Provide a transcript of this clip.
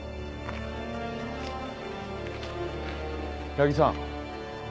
八木さん。